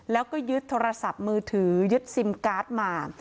แล้วก็ยึดโทรศัพท์มือถือยึดซิมการ์ดมา